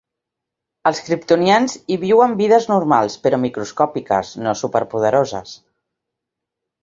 Els kriptonians hi viuen vides normals, però microscòpiques, no superpoderoses.